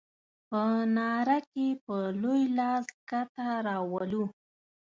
په ناره کې په لوی لاس سکته راولو.